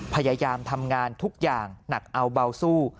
พยายามทำงานทุกอย่างหนักเอาเบาสู้